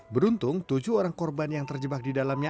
beruntung tujuh orang korban yang terjebak di dalamnya